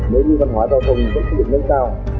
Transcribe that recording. nếu như văn hóa giao thông vẫn sẽ được nâng cao